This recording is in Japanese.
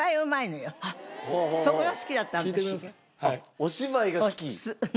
お芝居が好き？